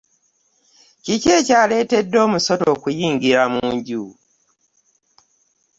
Kiki ekyaletede omusota okuyingira munju?